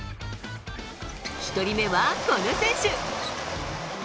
１人目はこの選手。